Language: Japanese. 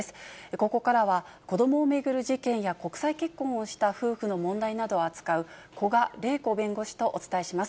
ここからは、子どもを巡る事件や国際結婚をした夫婦の問題などを扱う、古賀礼子弁護士とお伝えします。